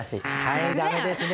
はい駄目ですね。